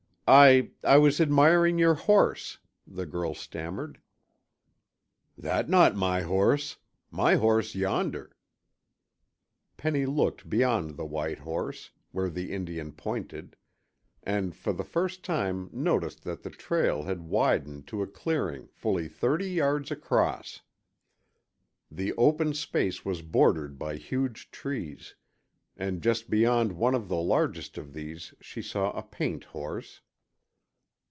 "I I was admiring your horse," the girl stammered. "That not my horse. My horse yonder." Penny looked beyond the white horse, where the Indian pointed, and for the first time noticed that the trail had widened to a clearing fully thirty yards across. The open space was bordered by huge trees, and just beyond one of the largest of these she saw a paint horse.